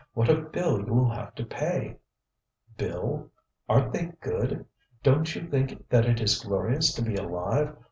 What a bill you will have to pay! ŌĆØ ŌĆ£Bill! ArenŌĆÖt they good? DonŌĆÖt you think that it is glorious to be alive?